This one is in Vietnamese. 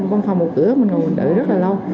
văn phòng một cửa mình ngồi mình đợi rất là lâu